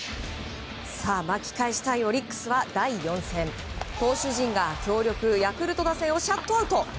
巻き返したいオリックスは第４戦投手陣が強力ヤクルト打線をシャットアウト。